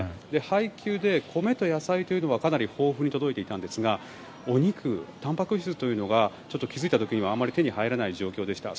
配給で米と野菜というのはかなり豊富に届いていたんですがお肉、たんぱく質というのが気づいた時にはあまり手に入らない状態でした。